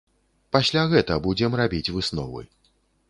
Пасля гэта будзем рабіць высновы.